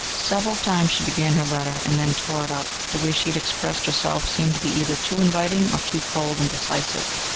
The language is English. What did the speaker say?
Several times she began her letter, and then tore it up: the way she had expressed herself seemed to her either too inviting or too cold and decisive.